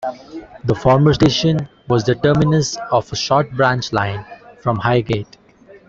The former station was the terminus of a short branch line from Highgate.